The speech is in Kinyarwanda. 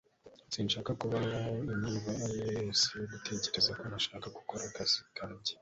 sinshaka kubaha impamvu iyo ari yo yose yo gutekereza ko ntashaka gukora akazi kanjye